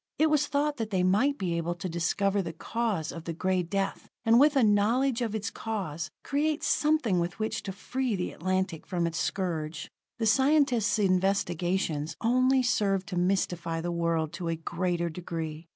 It was thought that they might be able to discover the cause of the Gray Death, and with a knowledge of its cause, create something with which to free the Atlantic from its scourge. The scientists' investigations only served to mystify the world to a greater degree.